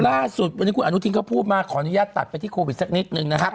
ล่าสุดวันนี้คุณอนุทินเขาพูดมาขออนุญาตตัดไปที่โควิดสักนิดนึงนะครับ